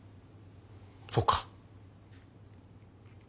そうか。